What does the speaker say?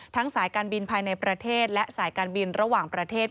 สายการบินภายในประเทศและสายการบินระหว่างประเทศ